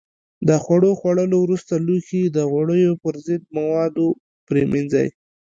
د خوړو خوړلو وروسته لوښي د غوړیو پر ضد موادو پرېمنځئ.